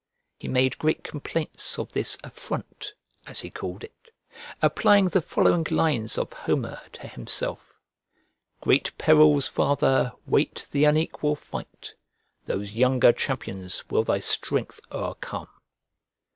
He made great complaints of this affront (as he called it), applying the following lines of Homer to himself: "Great perils, father, wait the unequal fight; Those younger champions will thy strength o'ercome."